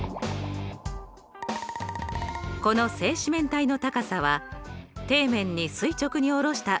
この正四面体の高さは底面に垂直におろした